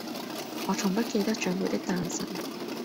我從不記得長輩的誕辰